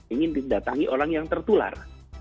ingin didatangi orang yang tertular